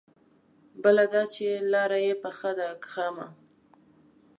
بله دا چې لاره يې پخه ده که خامه؟